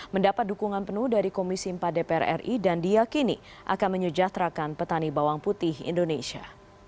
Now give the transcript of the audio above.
mendapat dukungan penuh dari komisi empat dpr ri dan diakini akan menyejahterakan petani bawang putih indonesia